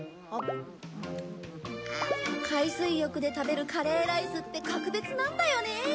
海水浴で食べるカレーライスって格別なんだよね。